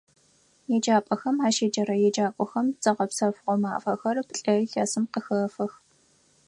Еджапӏэхэм ащеджэрэ еджакӏохэм зыгъэпсэфыгъо мафэхэр плӏэ илъэсым къыхэфэх.